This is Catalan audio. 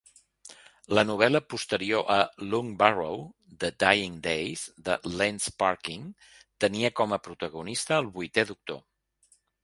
La novel·la posterior a "Lungbarrow", "The Dying Days", de Lance Parkin, tenia com a protagonista al vuitè doctor.